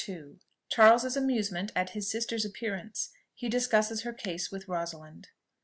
CHARLES'S AMUSEMENT AT HIS SISTER'S APPEARANCE. HE DISCUSSES HER CASE WITH ROSALIND.